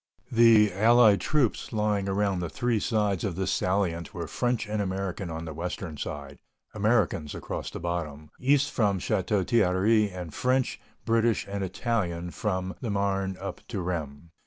The Allied troops lying around the three sides of this salient were French and American on the western side, Americans across the bottom, east from Château Thierry, and French, British, and Italian from the Marne up to Rheims.